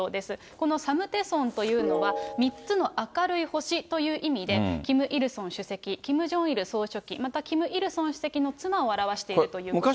このサムテソンというのは、３つの明るい星という意味で、キム・イルソン主席、キム・ジョンイル総書記、またキム・イルソン主席の妻を表しているといわれてます。